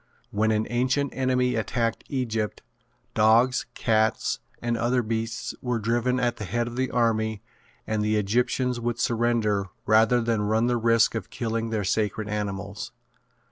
When an ancient enemy attacked Egypt, dogs, cats, and other beasts were driven at the head of the army and the Egyptians would surrender rather than run the risk of killing their sacred animals.